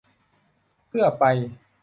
เพื่อไป